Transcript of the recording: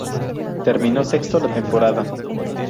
Terminó sexto la temporada.